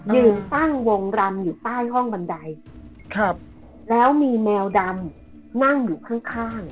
ยืนตั้งวงรำอยู่ใต้ห้องบันไดครับแล้วมีแมวดำนั่งอยู่ข้างข้าง